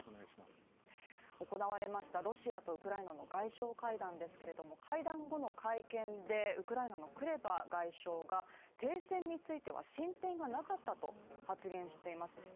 行われましたロシアとウクライナの外相会談ですけど会談後の会見でウクライナのクレバ外相が停戦については進展がなかったと発言しています。